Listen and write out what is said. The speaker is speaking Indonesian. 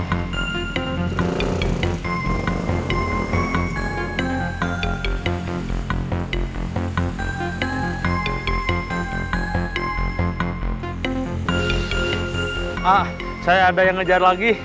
ah saya ada yang ngejar lagi